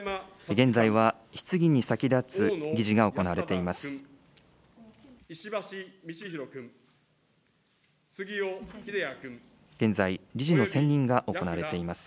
現在は質疑に先立つ理事が行われています。